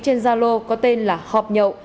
trên zalo có tên là họp nhậu